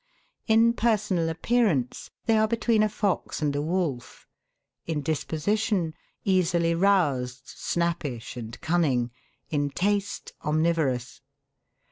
" In personal appearance they are between a fox and a wolf; in disposition, easily roused, snappish and cunning; in taste, omnivorous.